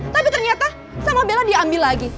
tapi ternyata sama bella diambil lagi